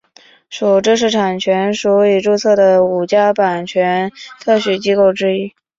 属知识产权署已注册的五家版权特许机构之一。